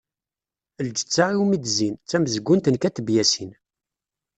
"Lǧetta iwumi d-zzin" d tamezgunt n Kateb Yasin.